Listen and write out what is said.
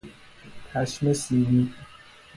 پشم سیمی